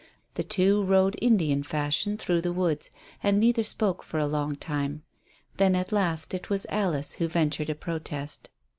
The two rode Indian fashion through the woods, and neither spoke for a long time; then, at last, it was Alice who ventured a protest.